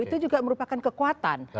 itu juga merupakan kekuatan